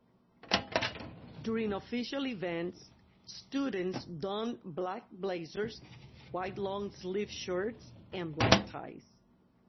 During official events, students don black blazers, white long-sleeved shirts and black ties.